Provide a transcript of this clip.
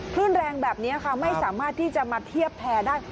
คลื่นแรงแบบนี้ค่ะไม่สามารถที่จะมาเทียบแพร่ได้